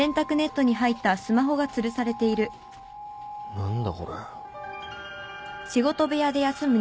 何だこれ。